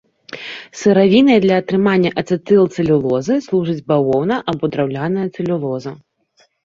Сыравінай для атрымання ацэтылцэлюлозы служыць бавоўна або драўняная цэлюлоза.